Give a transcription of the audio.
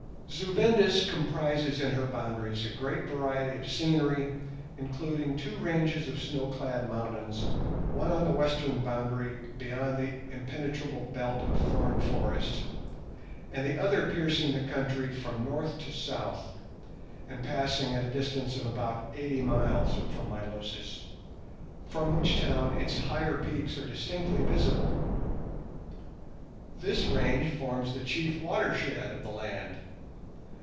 Zu Vendis comprises in her boundaries a great variety of scenery, including two ranges of snow clad mountains, one on the western boundary beyond the impenetrable belt of thorn forest, and the other piercing the country from north to south, and passing at a distance of about eighty miles from Milosis, from which town its higher peaks are distinctly visible. This range forms the chief watershed of the land.